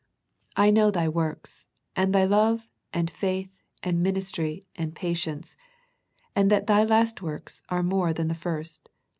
I know thy works, and thy love and faith and ministry and patience, and that thy last works are more than the first.